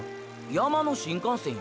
山の新幹線や。